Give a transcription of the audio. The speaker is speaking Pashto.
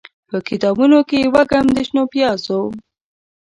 به کتابونوکې یې، وږم د شنو پیازو